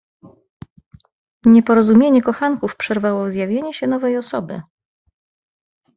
"Nieporozumienie kochanków przerwało zjawienie się nowej osoby."